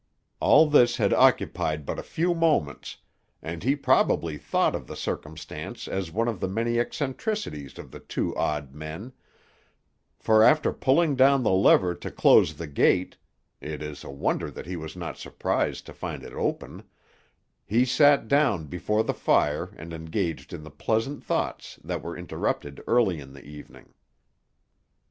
All this had occupied but a few moments, and he probably thought of the circumstance as one of the many eccentricities of the two odd men; for after pulling down the lever to close the gate (it is a wonder that he was not surprised to find it open) he sat down before the fire and engaged in the pleasant thoughts that were interrupted early in the evening.